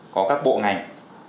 có các bộ ngành